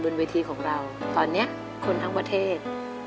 เวทีของเราตอนนี้คนทั้งประเทศ